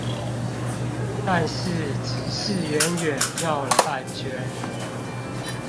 但是只是遠遠繞了半圈